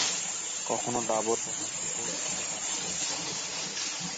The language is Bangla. কখনো ডাবল, কখনো ট্রিপল শিফটে কাজ করতেন।